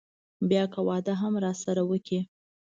بيا که واده هم راسره وکړي.